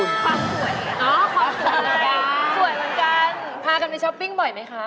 สวยเหมือนกันพากันไปช้อปปิ้งบ่อยไหมคะ